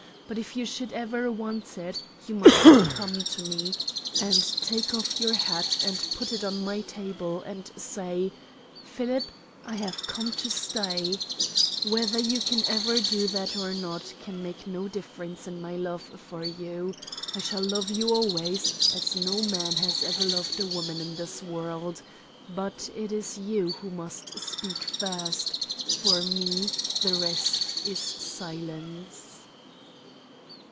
But if you should ever want it, you must come to me, and take off your hat and put it on my table and say, 'Philip, I have come to stay.' Whether you can ever do that or not can make no difference in my love for you. I shall love you always, as no man has ever loved a woman in this world, but it is you who must speak first; for me, the rest is silence."